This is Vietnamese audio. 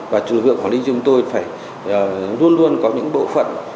và trường vực quản lý chúng tôi phải luôn luôn có những bộ phận